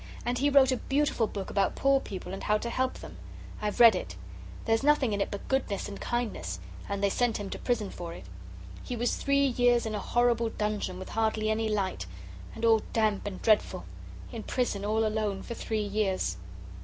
And he wrote a beautiful book about poor people and how to help them. I've read it. There's nothing in it but goodness and kindness. And they sent him to prison for it. He was three years in a horrible dungeon, with hardly any light, and all damp and dreadful. In prison all alone for three years."